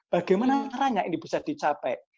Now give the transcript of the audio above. bagaimana caranya ini bisa dicapai